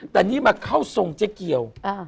แต่นี่มาเข้าทรงเจ๊เกียว